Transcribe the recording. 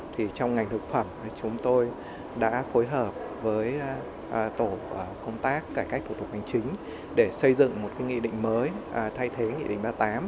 thì trong ngành thực phẩm chúng tôi đã phối hợp với tổ công tác cải cách thủ tục hành chính để xây dựng một nghị định mới thay thế nghị định ba mươi tám